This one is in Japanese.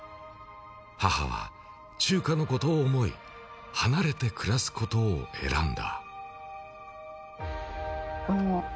母はチューカのことを思い離れて暮らすことを選んだ。